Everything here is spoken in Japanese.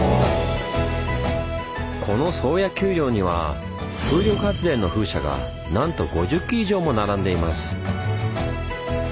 この宗谷丘陵には風力発電の風車がなんと５０基以上も並んでいます。